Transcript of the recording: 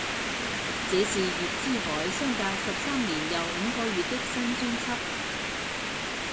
这是月之海相隔十三年又五个月的新专辑。